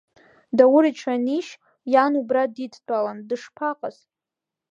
Даур иҽанишь иан убра дидтәалан, дышԥаҟаз?